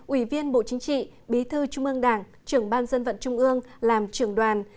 ủy viên bộ chính trị bí thư trung ương đảng trưởng ban dân vận trung ương làm trưởng đoàn